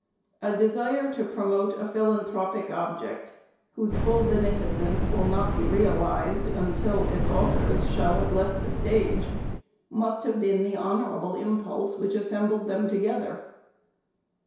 A desire to promote a philanthropic object, whose full beneficence will not be realized until its authors shall have left the stage, must have been the honorable impulse which assembled them together.